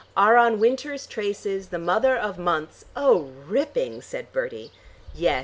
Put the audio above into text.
"Are on winter's traces, the mother of months " "Oh, ripping!" said Bertie. "Yes.